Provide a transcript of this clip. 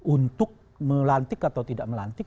untuk melantik atau tidak melantik